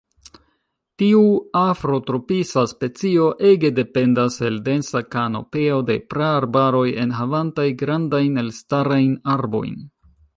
Tiu afrotropisa specio ege dependas el densa kanopeo de praarbaroj enhavantaj grandajn elstarajn arbojn.